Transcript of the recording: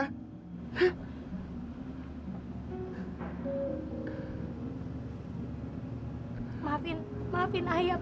aku mau ikut sama ayah